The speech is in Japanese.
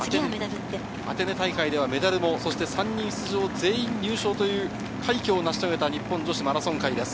アテネ大会ではメダルも、そして３人入賞という快挙を成し遂げた日本マラソン界。